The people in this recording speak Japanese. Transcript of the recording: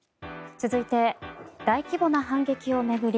続いて大規模な反撃を巡り